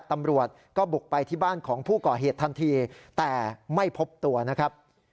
ตำรวจก็บุกไปที่บ้านของผู้ก่อเหตุทันทีแต่ไม่พบตัวนะครับ